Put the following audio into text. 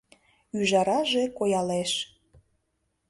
Ӱжараже коялеш.